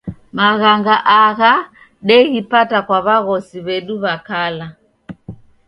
Maghanga agha deghipata kwa w'aghosi w'edu w'a kala.